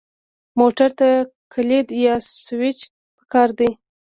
موټر ته کلید یا سوئچ پکار وي.